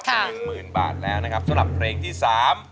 ค่ะ๑หมื่นบาทแล้วสำหรับเพลงที่สาม